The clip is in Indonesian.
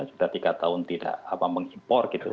sudah tiga tahun tidak mengimpor gitu